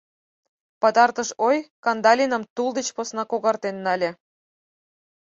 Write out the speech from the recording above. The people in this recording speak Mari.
Пытартыш ой Кандалиным тул деч посна когартен нале.